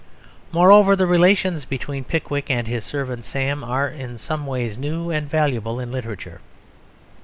Moreover, the relations between Pickwick and his servant Sam are in some ways new and valuable in literature.